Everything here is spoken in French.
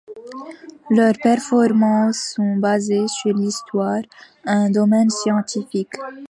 Leurs performances sont basées sur l'histoire, un domaine scientifique.